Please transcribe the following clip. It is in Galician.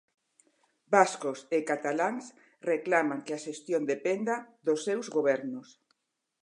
Vascos e cataláns reclaman que a xestión dependa dos seus gobernos.